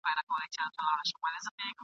له شهبازونو هیري نغمې دي !.